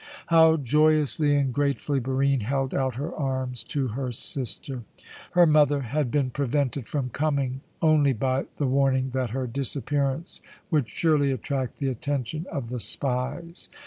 How joyously and gratefully Barine held out her arms to her sister! Her mother had been prevented from coming only by the warning that her disappearance would surely attract the attention of the spies.